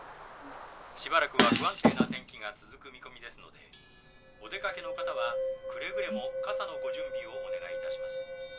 しばらくは不安定な天気が続く見込みですのでお出かけの方はくれぐれも傘のご準備をお願いいたします。